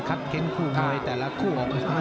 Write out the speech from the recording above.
คัดเค้นคู่มวยแต่ละคู่